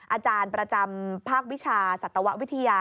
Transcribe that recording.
อาจารย์ประจำภาควิชาสัตววิทยา